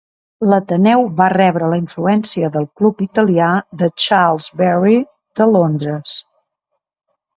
L'Ateneu va rebre la influència del club italià de Charles Barry de Londres.